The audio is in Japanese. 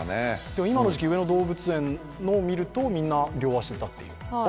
でも今の時期、上野動物園のを見ると、みんな両足で立っている。